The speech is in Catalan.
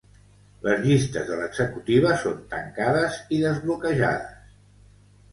Les llistes de l'executiva són tancades i desbloquejades.